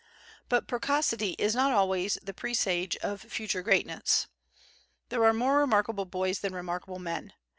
But precocity is not always the presage of future greatness. There are more remarkable boys than remarkable men.